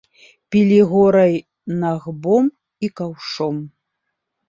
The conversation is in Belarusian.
Пілі гора й нагбом, і каўшом.